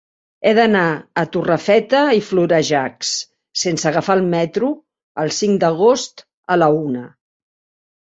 He d'anar a Torrefeta i Florejacs sense agafar el metro el cinc d'agost a la una.